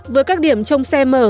với các điểm trong xe mở